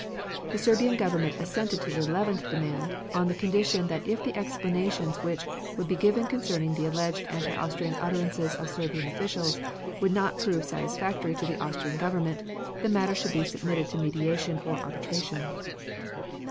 The Serbian Government assented to the eleventh demand, on the condition that if the explanations which would be given concerning the alleged anti Austrian utterances of Serbian officials would not prove satisfactory to the Austrian Government, the matter should be submitted to mediation or arbitration.